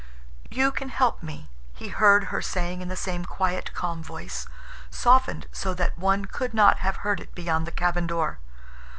"You can help me," he heard her saying in the same quiet, calm voice, softened so that one could not have heard it beyond the cabin door.